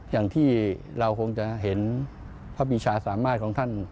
อย่างที่เราคงจะเห็นพระปีชาสามารถของท่าน